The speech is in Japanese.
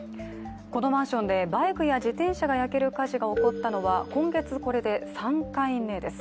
このマンションでバイクや自転車が焼ける火事が起こったのは今月、これで３回目です。